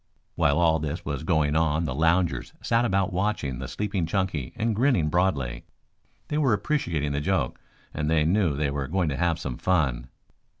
While all this was going on the loungers sat about watching the sleeping Chunky and grinning broadly. They were appreciating the joke, and they knew they were going to have some fun.